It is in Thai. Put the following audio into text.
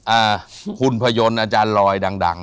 อ่าคุณพยนทรอาจารย์ลอยดัง